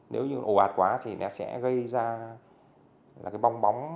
nếu như ổ ạt quá thì nó sẽ gây ra bong bóng